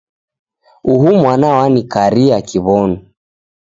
Uhu mwana wanikaria kiw'onu.